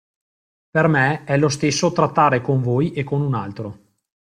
Per me, è lo stesso trattare con voi e con un altro.